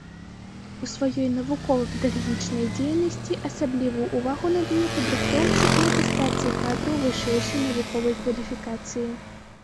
У сваёй навукова-педагагічнай дзейнасці асаблівую ўвагу надае падрыхтоўцы і атэстацыі кадраў вышэйшай навуковай кваліфікацыі.